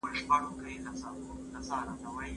د کابل خلګو د احمد شاه ابدالي سره څه وکړل؟